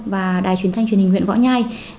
và đài truyền thanh truyền hình huyện võ nhai